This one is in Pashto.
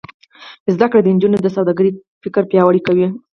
زده کړه د نجونو د سوداګرۍ فکر پیاوړی کوي.